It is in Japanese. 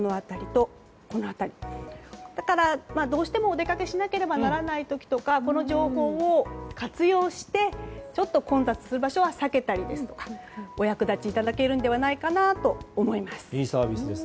だから、どうしてもお出かけしなければならない時とかこの情報を活用してちょっと混雑する場所は避けたりですとかお役立ちいただけるのではないかなと思います。